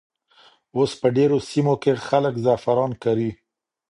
اوس په ډېرو سیمو کې خلک زعفران کري.